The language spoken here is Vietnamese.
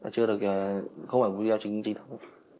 chưa được không phải video chính chính thẳng